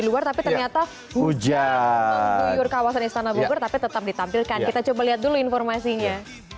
luar tapi ternyata hujan mengguyur kawasan istana bogor tapi tetap ditampilkan kita coba lihat dulu informasinya